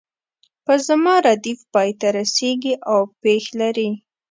په زما ردیف پای ته رسیږي او پیښ لري.